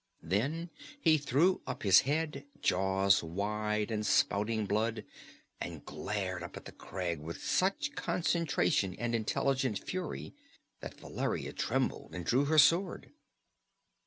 Then he threw up his head, jaws wide and spouting blood, and glared up at the crag with such concentrated and intelligent fury that Valeria trembled and drew her sword.